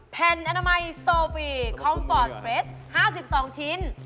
แผ่นอนามัยโซฟีคอมฟอร์ตเฟรส๕๒ชิ้น